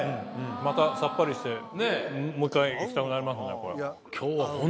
またさっぱりしてもう１回いきたくなりますねこれ。